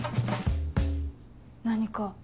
何か？